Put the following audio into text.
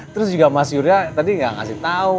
terus juga mas yurya tadi gak ngasih tau